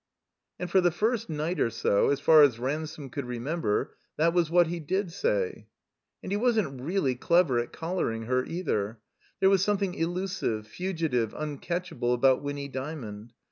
'* And for the first night or so, as far as Ransome could remember, that was what he did say. And he wasn't really clever at collaring her, either. There was something elusive, fugitive, un catchable about Winny Dymond.